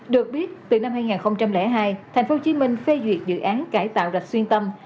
được biết từ năm hai nghìn hai tp hcm phê duyệt dự án cải tạo rạch xuyên tâm